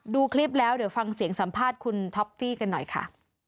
ดูคลิปแล้วเดี๋ยวฟังเสียงสัมภาษณ์คุณท็อปฟี่กันหน่อยค่ะ